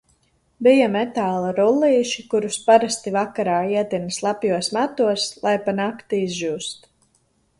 Bija metāla rullīši, kurus parasti vakarā ietina slapjos matos, lai pa nakti izžūst.